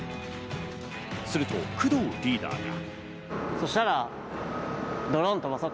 すると、工藤リーダーが。